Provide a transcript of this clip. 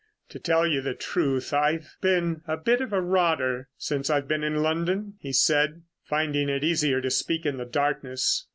"To tell you the truth, I've been a bit of a rotter since I've been in London," he said, finding it easier to speak in the darkness.